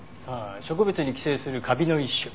植物に寄生するカビの一種。